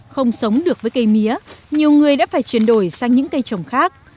không sống được với cây mía nhiều người đã phải chuyển đổi sang những cây trồng khác